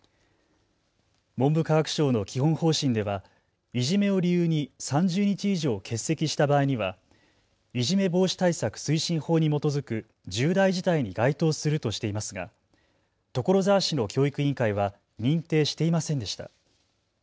文部科学省の基本方針ではいじめを理由に３０日以上欠席した場合にはいじめ防止対策推進法に基づく重大事態に該当するとしていますが所沢市の教育委員会は認定していませんでした。